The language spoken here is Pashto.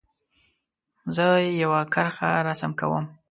زه یو کرښه رسم کوم.